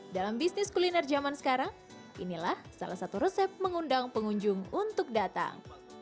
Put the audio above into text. dalam bisnis kuliner zaman sekarang inilah salah satu resep mengundang pengunjung untuk datang